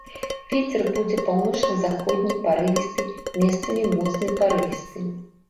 Вецер будзе паўночна-заходні парывісты, месцамі моцны парывісты.